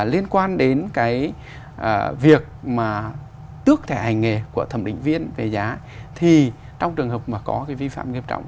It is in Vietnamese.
liên quan đến cái việc mà tước thẻ hành nghề của thẩm định viên về giá thì trong trường hợp mà có cái vi phạm nghiêm trọng